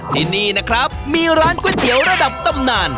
ที่นี่นะครับมีร้านก๋วยเตี๋ยวระดับตำนาน